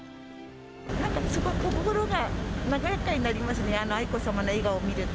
なんかすごく心が和やかになりますね、愛子さまの笑顔を見ると。